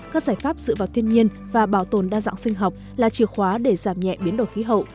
các giải pháp dựa vào thiên nhiên và bảo tồn đa dạng sinh học là chìa khóa để giảm nhẹ biến đổi khí hậu